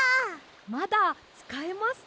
まだつかえますか？